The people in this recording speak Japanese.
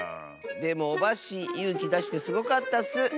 でもオバッシーゆうきだしてすごかったッス！